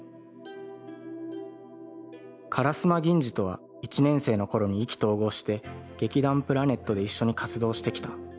「烏丸ギンジとは一年生の頃に意気投合して『劇団プラネット』で一緒に活動してきた。